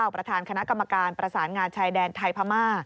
ประธานคณะกรรมการประสานงานชายแดนไทยพม่า